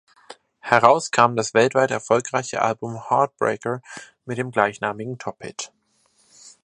Heraus kam das weltweit erfolgreiche Album "Heartbreaker" mit dem gleichnamigen Top-Hit.